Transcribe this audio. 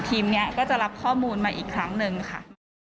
ทีมนี้ก็จะรับข้อมูลมาอีกครั้งหนึ่งค่ะ